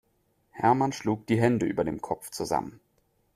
Hermann schlug die Hände über dem Kopf zusammen.